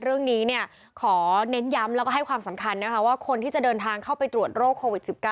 เรื่องนี้ขอเน้นย้ำแล้วก็ให้ความสำคัญนะคะว่าคนที่จะเดินทางเข้าไปตรวจโรคโควิด๑๙